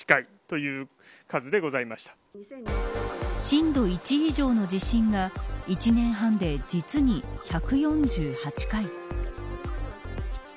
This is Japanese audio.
震度１以上の地震が１年半で、実に１４８回。